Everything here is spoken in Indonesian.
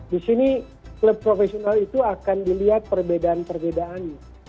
di sini klub profesional itu akan dilihat perbedaan perbedaannya